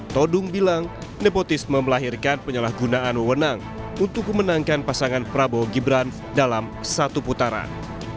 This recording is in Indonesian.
todung bilang nepotisme melahirkan penyalahgunaan wewenang untuk memenangkan pasangan prabowo gibran dalam satu putaran